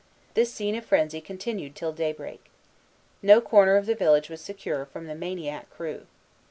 This scene of frenzy continued till daybreak. No corner of the village was secure from the maniac crew.